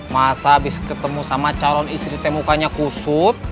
masa abis ketemu sama calon istri teh mukanya kusut